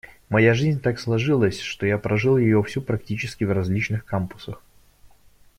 Моя жизнь так сложилась, что я прожил ее всю практически в различных кампусах.